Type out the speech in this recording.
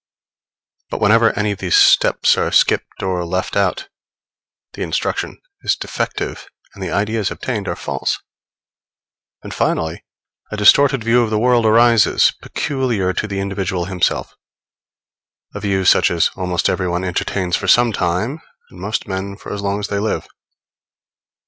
But whenever any of these steps are skipped or left out, the instruction is defective, and the ideas obtained are false; and finally, a distorted view of the world arises, peculiar to the individual himself a view such as almost everyone entertains for some time, and most men for as long as they live.